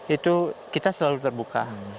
itu kita selalu terbuka